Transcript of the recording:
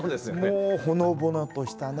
もうほのぼのとしたね